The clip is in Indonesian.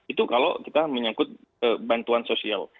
itu kalau kita menyangkut bantuan sosial